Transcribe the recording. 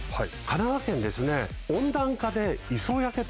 神奈川県で温暖化で。